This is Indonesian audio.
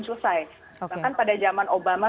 selesai bahkan pada zaman obama